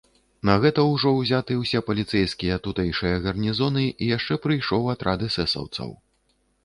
На гэта ўжо ўзяты ўсе паліцэйскія, тутэйшыя гарнізоны, і яшчэ прыйшоў атрад эсэсаўцаў.